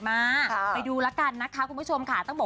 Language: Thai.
มาครับไปดูแล้วกันนะคะคุณผู้ชมค่ะแบบ